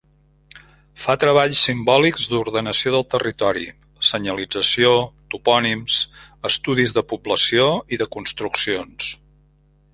Fa treballs simbòlics d'ordenació del territori: senyalització, topònims, estudis de població i de construccions.